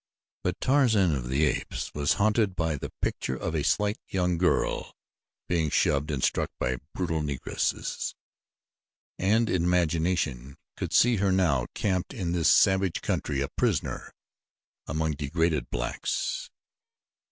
But Tarzan of the Apes was haunted by the picture of a slight, young girl being shoved and struck by brutal Negresses, and in imagination could see her now camped in this savage country a prisoner among degraded blacks.